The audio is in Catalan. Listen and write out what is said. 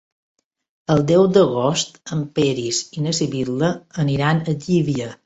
El deu d'agost en Peris i na Sibil·la aniran a Llívia.